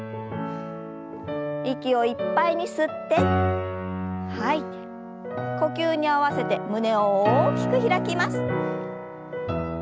息をいっぱいに吸って吐いて呼吸に合わせて胸を大きく開きます。